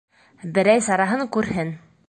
Берәй сараһын күрһен.